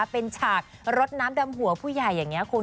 เป็นฉากรดน้ำดำหัวผู้ใหญ่อย่างนี้คุณ